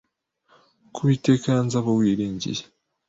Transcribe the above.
kuko Uwiteka yanze abo wiringiye